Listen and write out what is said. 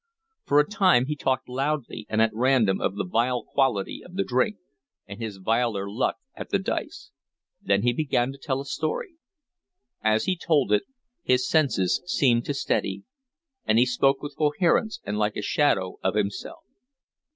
For a time he talked loudly and at random of the vile quality of the drink, and his viler luck at the dice; then he began to tell a story. As he told it, his senses seemed to steady, and he spoke with coherence and like a shadow of himself.